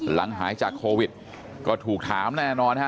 หลังหายจากโควิดก็ถูกถามแน่นอนฮะ